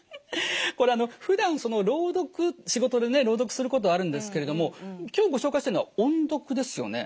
これふだん朗読仕事でね朗読することあるんですけれども今日ご紹介してるのは音読ですよね。